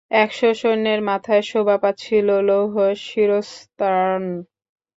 একশ সৈন্যের মাথায় শোভা পাচ্ছিল লৌহ শিরস্ত্রাণ।